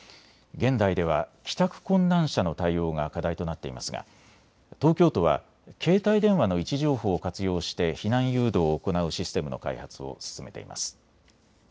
現代では帰宅困難者の対応が課題となっていますが、東京都は携帯電話の位置情報を活用して避難誘導を行うシステムの開発を進めています。